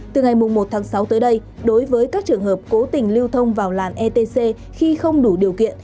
từ ngày một tháng sáu tới đây đối với các trường hợp cố tình lưu thông vào làn etc khi không đủ điều kiện